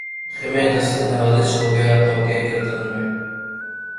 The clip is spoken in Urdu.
خمِ دستِ نوازش ہو گیا ہے طوق گردن میں